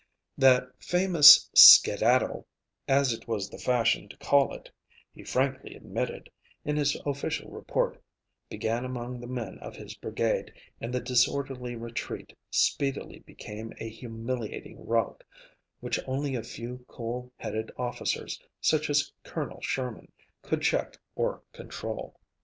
That famous "skedaddle," as it was the fashion to call it, he frankly admitted, in his official report, began among the men of his brigade, and the "disorderly retreat" speedily became a humiliating rout, which only a few cool headed officers, such as Colonel Sherman, could check or control.